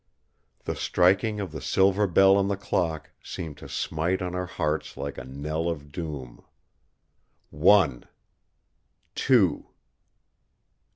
The striking of the silver bell of the clock seemed to smite on our hearts like a knell of doom. One! Two!